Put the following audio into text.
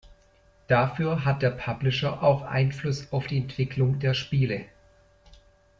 Dafür hat der Publisher auch Einfluss auf die Entwicklung der Spiele.